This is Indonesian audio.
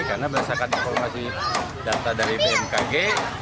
karena berdasarkan informasi data dari bmkg